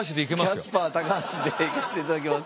キャスパー高橋でいかしていただきます。